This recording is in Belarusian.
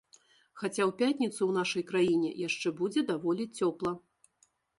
Хаця ў пятніцу ў нашай краіне яшчэ будзе даволі цёпла.